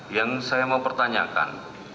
yang saya mau pertanyakan